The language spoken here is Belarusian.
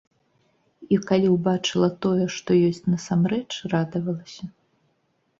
І калі ўбачыла тое, што ёсць насамрэч, радавалася.